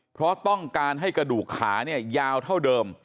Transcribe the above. เพราะต้องการให้กระดูกขาเนี่ยยาวเท่าเดิม